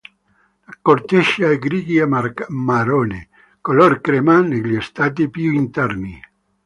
La corteccia è grigia o marrone, color crema negli strati più interni.